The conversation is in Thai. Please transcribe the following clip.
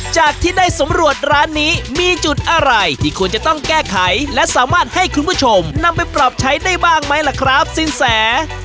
จากที่ได้สำรวจร้านนี้มีจุดอะไรที่ควรจะต้องแก้ไขและสามารถให้คุณผู้ชมนำไปปรับใช้ได้บ้างไหมล่ะครับสินแส